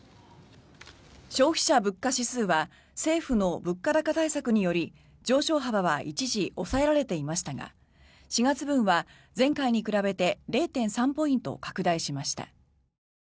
消費者物価指数は政府の物価高対策により上昇幅は一時抑えられていましたが４月分は前回に比べて０．３ポイント拡大しました。